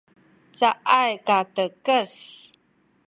caay katekes